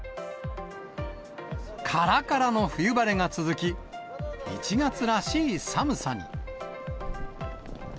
からからの冬晴れが続き、１月らしい寒さに。